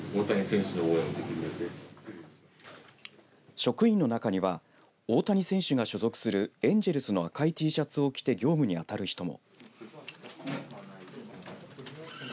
職員の中には大谷選手が所属するエンジェルスの赤いＴシャツを着て業務に当たる人も。